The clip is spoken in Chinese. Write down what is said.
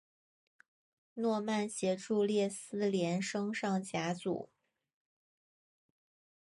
诺曼协助列斯联升上甲组。